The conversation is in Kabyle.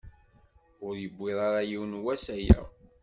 Ur yewwiḍ ara yiwen wass aya.